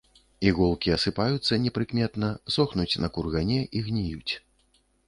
Іголкі асыпаюцца непрыкметна, сохнуць на кургане і гніюць.